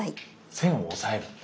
線を押さえるんだ。